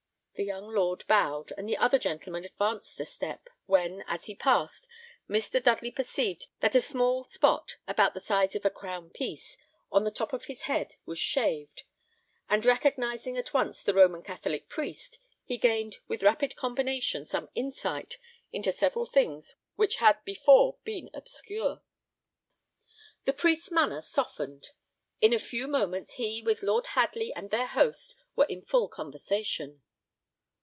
The young lord bowed, and the other gentleman advanced a step, when, as he passed, Mr. Dudley perceived that a small spot, about the size of a crown piece, on the top of his head, was shaved, and recognising at once the Roman Catholic priest, he gained with rapid combination some insight into several things which had before been obscure. The priest's manner softened. In a few moments he, with Lord Hadley and their host, were in full conversation.